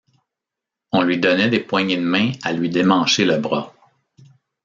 On lui donnait des poignées de main à lui démancher le bras.